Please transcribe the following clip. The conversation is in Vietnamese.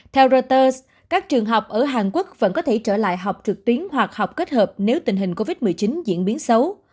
theo reuters các trường học ở hàn quốc vẫn có thể trở lại học trực tuyến hoặc học kết hợp nếu tình hình covid một mươi chín diễn biến xấu